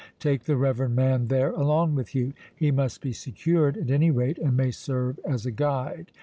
Take the reverend man there along with you. He must be secured at any rate, and may serve as a guide.